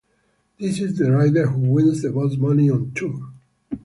This is the rider who wins the most money on tour.